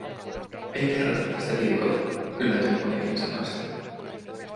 "Ei kerrota tästä Diegolle", yllätyin Malikin sanoista.